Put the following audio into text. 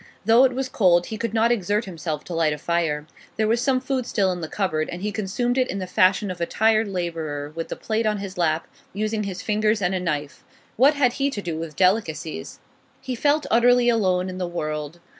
Though it was cold, he could not exert himself to light a fire; there was some food still in the cupboard, and he consumed it in the fashion of a tired labourer, with the plate on his lap, using his fingers and a knife. What had he to do with delicacies? He felt utterly alone in the world.